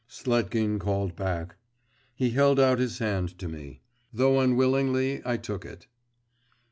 Sletkin called back. He held out his hand to me. Though unwillingly, I took it.